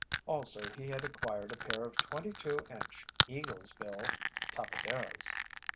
Also he had acquired a pair of 22 inch, "eagle's bill" tapaderas.